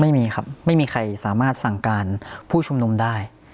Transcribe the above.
ไม่มีครับไม่มีใครสามารถสั่งการผู้ชุมนุมได้